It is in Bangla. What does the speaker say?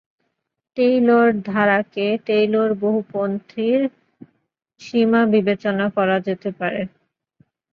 টেইলর ধারাকে টেইলর বহুপদীর সীমা বিবেচনা করা যেতে পারে।